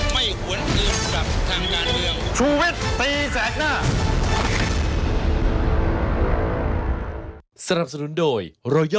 ไม่หวนอื่นกับทางด้านเรียง